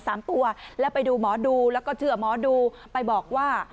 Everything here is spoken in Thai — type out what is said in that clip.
สองสามีภรรยาคู่นี้มีอาชีพ